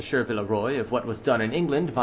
Villeroy of what was done in England by M.